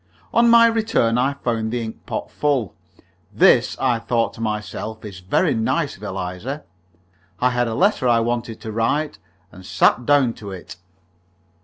On my return I found the ink pot full. "This," I thought to myself, "is very nice of Eliza." I had a letter I wanted to write, and sat down to it.